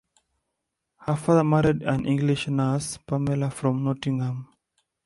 Her father married an English nurse, Pamela from Nottingham.